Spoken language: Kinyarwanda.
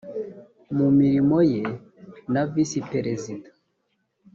mu mirimo ye na visi perezida